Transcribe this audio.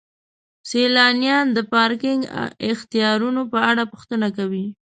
سیلانیان د پارکینګ اختیارونو په اړه پوښتنه کوي.